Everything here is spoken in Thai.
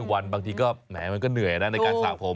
บางทีก็เหนื่อยนะในการสระผม